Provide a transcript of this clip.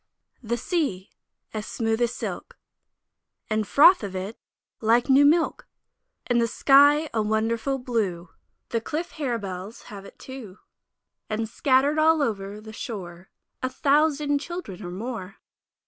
THE Sea! as smooth as silk, And the froth of it like new milk, And the sky a wonderful blue, The cliff harebells have it too, And scatter'd all over the shore A thousand Children or more!